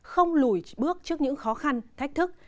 không lùi bước trước những khó khăn thách thức